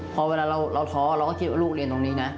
พอเวลาเราท้อเราก็คิดว่าลูกเรียนตรงนี้นะ